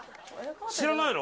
知らないの？